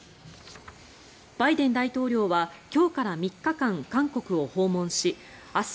バイデン大統領は今日から３日間韓国を訪問し明日